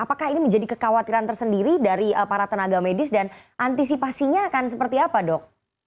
apakah ini menjadi kekhawatiran tersendiri dari para tenaga medis dan antisipasinya akan seperti apa dok